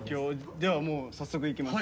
ではもう早速いきます。